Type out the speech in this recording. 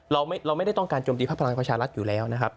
เราไม่ได้ต้องการโจมตีพักพลังประชารัฐอยู่แล้วนะครับ